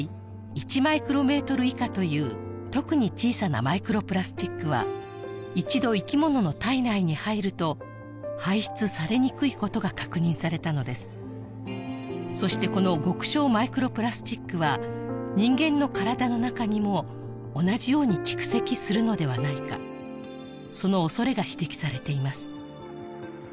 １マイクロメートル以下という特に小さなマイクロプラスチックは一度生き物の体内に入ると排出されにくいことが確認されたのですそしてこの極小マイクロプラスチックは人間の体の中にも同じように蓄積するのではないかその恐れが指摘されています